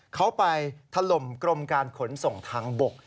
เขาไปถล่มกรมการขนส่งทางบก